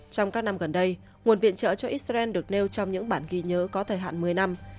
trong các năm gần đây nguồn viện trợ cho israel được nêu trong những bản ghi nhớ có thời hạn một mươi năm